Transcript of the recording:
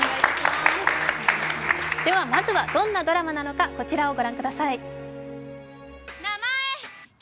まずはどんなドラマなのかこちらをご覧ください。